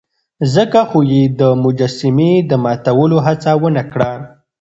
ځکه خو يې د مجسمې د ماتولو هڅه ونه کړه.